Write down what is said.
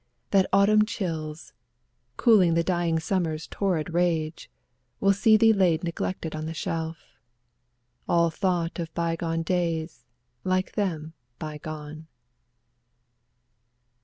that autumn chills. Cooling the dying summer's torrid rage, Will see thee laid neglected on the shelf. All thought of by gone days, like them by gone.